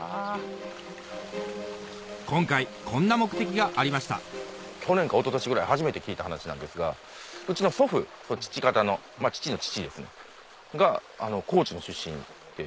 今回こんな目的がありました去年か一昨年ぐらい初めて聞いた話なんですがうちの祖父父方のまぁ父の父ですねが高知の出身って。